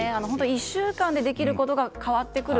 １週間でできることが変わってくる。